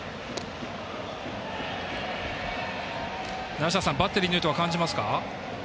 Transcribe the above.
梨田さん、バッテリーの意図は感じますか？